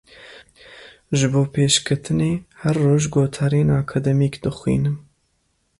Ji bo pêşketinê her roj gotarên akademîk dixwînim.